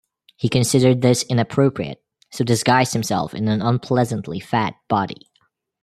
He considered this inappropriate, so disguised himself in an unpleasantly fat body.